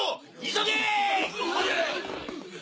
急げ！